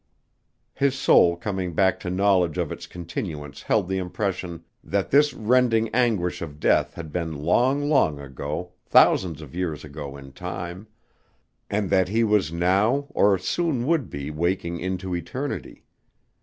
His soul coming back to knowledge of its continuance held the impression that this rending anguish of death had been long, long ago, thousands of years ago in time: and that he was now or soon would be waking into eternity.